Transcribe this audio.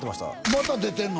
また出てんの？